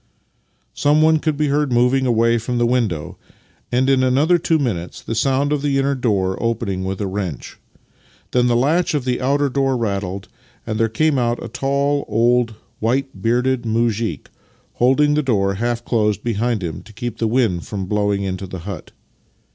Someone could be heard moving away from the window, and in another two minutes the sound of the inner door opening with a wrench. Then the latch of the outer door rattled, and there came out a tall old white bearded muzhik, holding the door half closed behind him to keep the wind from blowing into the hut.